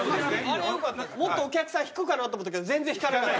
もっとお客さん引くかなと思ったけど全然引かれない。